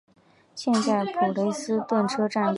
现在普雷斯顿车站共有八个月台。